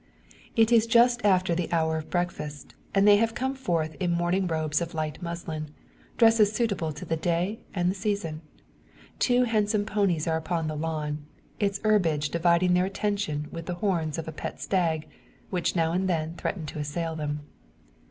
It is just after the hour of breakfast, and they have come forth in morning robes of light muslin dresses suitable to the day and the season. Two handsome ponies are upon the lawn, its herbage dividing their attention with the horns of a pet stag, which now and then threaten to assail them.